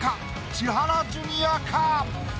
千原ジュニアか？